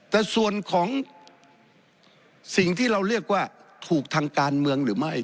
แต่ส่วนของสิ่งที่เราเรียกว่าถูกทางการเมืองหรือไม่